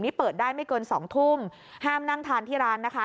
นี่เปิดได้ไม่เกินสองทุ่มห้ามนั่งทานที่ร้านนะคะ